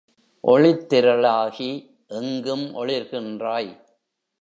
ஒளித்திரளாகி எங்கும் ஒளிர்கின்றாய்.